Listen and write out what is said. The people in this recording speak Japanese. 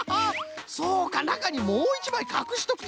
そうかなかにもういちまいかくしとくとはな。